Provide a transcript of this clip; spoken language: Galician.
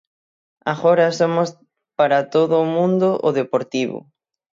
Agora somos para todo o mundo o Deportivo.